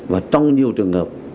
và trong nhiều trường hợp